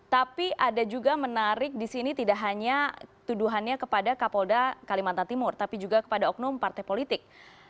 tapi ada juga menarik di sini tidak hanya tuduhannya kepada kapolda kalimantan timur tapi juga kepada oknum partai politik